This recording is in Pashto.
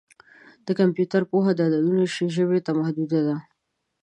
د کمپیوټر پوهه د عددونو ژبې ته محدوده ده.